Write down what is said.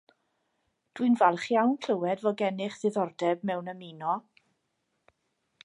Dwi'n falch iawn clywed fod gennych ddiddordeb mewn ymuno